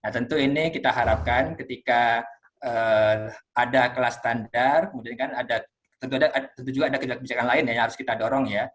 tentu ini kita harapkan ketika ada kelas standar tentu juga ada kebijakan lain yang harus kita dorong